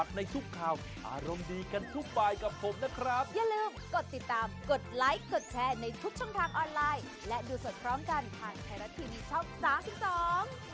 พร้อมกันผ่านเทราทีมชอบสนักศึกษอง